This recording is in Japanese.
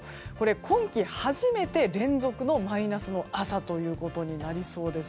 今季初めての連続のマイナスの朝となりそうです。